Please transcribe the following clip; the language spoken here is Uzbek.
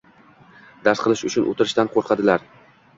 dars qilish uchun o‘tirishdan qo‘rqadilar.